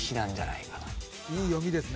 いい読みですね。